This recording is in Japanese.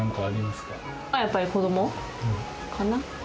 やっぱり子どもかな。